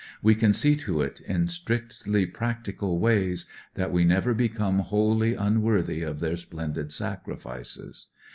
We can see to it, in strictly practical ways, that we never become wholly unworthy of their splendid sacrifices.